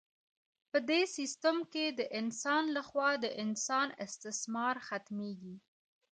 په دې سیستم کې د انسان لخوا د انسان استثمار ختمیږي.